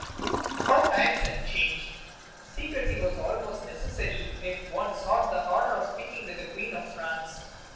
How times had changed! Secrecy was almost necessary if one sought the honor of speaking with the Queen of France.